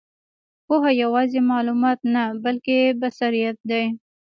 پوهه یوازې معلومات نه، بلکې بصیرت دی.